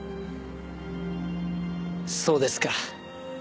そうですか。